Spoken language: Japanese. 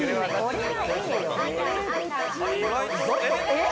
えっ！